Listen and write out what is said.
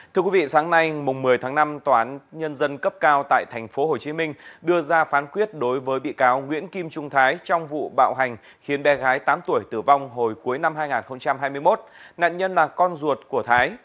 thưa quý vị sáng nay một mươi tháng năm tòa án nhân dân cấp cao tại tp hcm đưa ra phán quyết đối với bị cáo nguyễn kim trung thái trong vụ bạo hành khiến bé gái tám tuổi tử vong hồi cuối năm hai nghìn hai mươi một nạn nhân là con ruột của thái